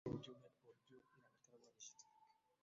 ili uimarike zaidi na kuweka mazingira ya kuona nafasi za kazi